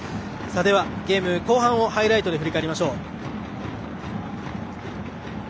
では、ゲーム後半をハイライトで振り返りましょう。